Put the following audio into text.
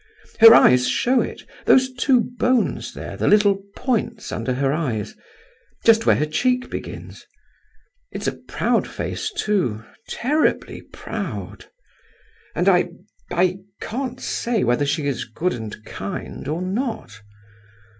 Her eyes show it—those two bones there, the little points under her eyes, just where the cheek begins. It's a proud face too, terribly proud! And I—I can't say whether she is good and kind, or not.